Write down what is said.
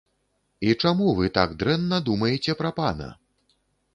І чаму вы так дрэнна думаеце пра пана?